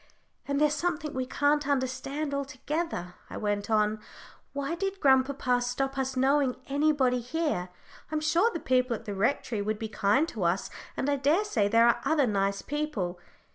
"And there's something we can't understand altogether," I went on. "Why did grandpapa stop us knowing anybody here? I'm sure the people at the Rectory would be kind to us, and I daresay there are other nice people.